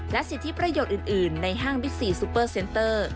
สิทธิประโยชน์อื่นในห้างบิ๊กซีซูเปอร์เซ็นเตอร์